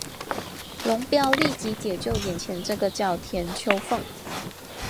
龙飙立即解救眼前这个叫田秋凤。